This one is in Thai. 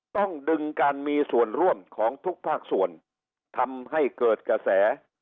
ต้องดึงการมีส่วนร่วมของทุกภาคส่วนทำให้เกิดกระแส